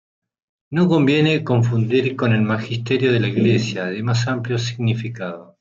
No conviene confundir con el Magisterio de la Iglesia, de más amplio significado.